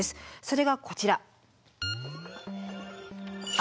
それがこちら。